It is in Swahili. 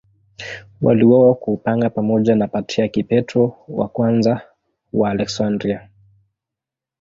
Waliuawa kwa upanga pamoja na Patriarki Petro I wa Aleksandria.